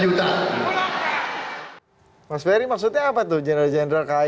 dimana pada satu sisi terjadi apa namanya orang yang kemudian tadi sebagian elit yang kemudian membiarkan